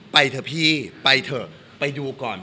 ไปเถอะพี่ไปเถอะไปดูก่อน